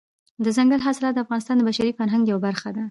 دځنګل حاصلات د افغانستان د بشري فرهنګ یوه برخه ده.